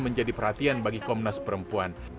menjadi perhatian bagi komnas perempuan